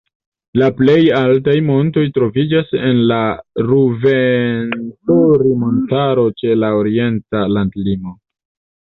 La plej altaj montoj troviĝas en la Ruvenzori-montaro ĉe la orienta landlimo.